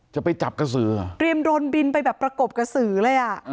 จะไปจับกระสือเหรอเตรียมโดนบินไปแบบประกบกระสือเลยอ่ะ